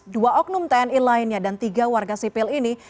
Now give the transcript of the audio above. dua oknum tni lainnya dan tiga warga sipil ini